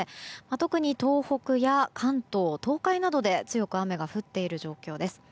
特に東北や関東、東海などで強く雨が降っている状況です。